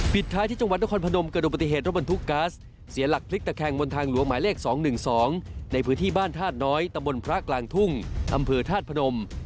ท้ายที่จังหวัดนครพนมเกิดดูปฏิเหตุรถบรรทุกก๊าซเสียหลักพลิกตะแคงบนทางหลวงหมายเลข๒๑๒ในพื้นที่บ้านธาตุน้อยตำบลพระกลางทุ่งอำเภอธาตุพนม